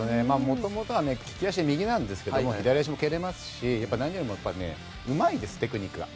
元々はね利き足右なんですけども左足も蹴れますし何よりもやっぱりねうまいですテクニックが。